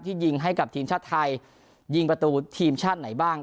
ยิงให้กับทีมชาติไทยยิงประตูทีมชาติไหนบ้าง